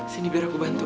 sini biar aku bantu